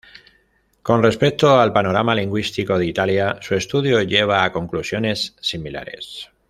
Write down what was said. Con respecto al panorama lingüístico de Italia, su estudio lleva a conclusiones similares.